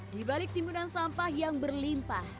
di balik timbunan sampah yang berlimpah